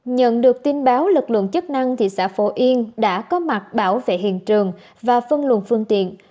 nhận được tin báo lực lượng chức năng thị xã phổ yên đã có mặt bảo vệ hiện trường và phân luận phương tiện